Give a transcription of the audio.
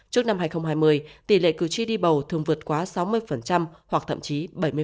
trước năm hai nghìn hai mươi tỷ lệ cử tri đi bầu thường vượt quá sáu mươi hoặc thậm chí bảy mươi